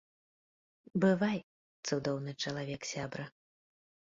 Бывай, цудоўны чалавек сябра.